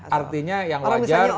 artinya yang wajar oke